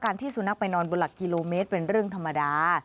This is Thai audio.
ที่สุนัขไปนอนบนหลักกิโลเมตรเป็นเรื่องธรรมดา